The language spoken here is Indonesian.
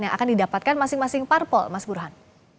yang akan didapatkan masing masing parpol mas burhan